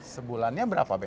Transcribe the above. sebulannya berapa be